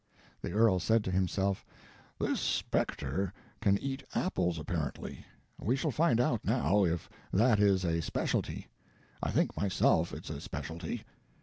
The earl said to himself, "This spectre can eat apples, apparently. We shall find out, now, if that is a specialty. I think, myself, it's a specialty.